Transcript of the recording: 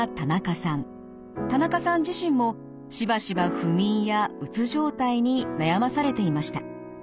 田中さん自身もしばしば不眠やうつ状態に悩まされていました。